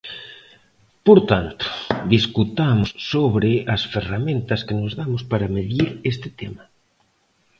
Por tanto, discutamos sobre as ferramentas que nos damos para medir este tema.